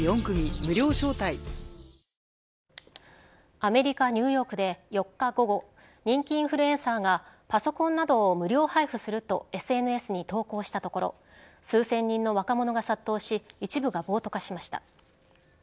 アメリカ・ニューヨークで４日午後人気インフルエンサーがパソコンなどを無料配布するとＳＮＳに投稿したところ数千人の若者が殺到し一部が暴徒化しました。